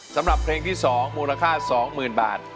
สำหรับเพลงที่๒มูลค่า๒๐๐๐บาท